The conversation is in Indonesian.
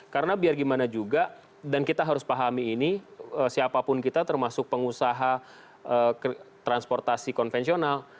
karena biar gimana juga dan kita harus pahami ini siapapun kita termasuk pengusaha transportasi konvensional